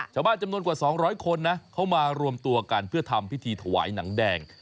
จำนวนกว่า๒๐๐คนนะเขามารวมตัวกันเพื่อทำพิธีถวายหนังแดง